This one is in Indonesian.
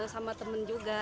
sama temen juga